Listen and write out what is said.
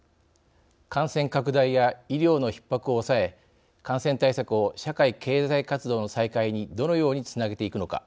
感染拡大や、医療のひっ迫を抑え感染対策を社会経済活動の再開にどのようにつなげていくのか。